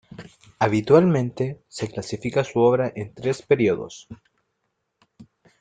Habitualmente, se clasifica su obra en tres periodos.